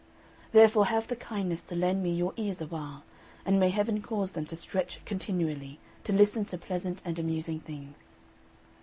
Therefore have the kindness to lend me your ears awhile; and may Heaven cause them to stretch continually, to listen to pleasant and amusing things.